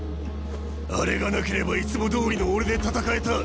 あれがなければいつもどおりの俺で戦えた！